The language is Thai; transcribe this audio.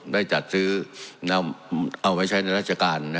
ได้จัดซื้อเอาไว้ใช้ในราชการ